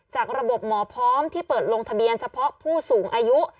จากระบบหมอพร้อมที่เปิดลงทะเบียนเฉพาะผู้สูงอายุ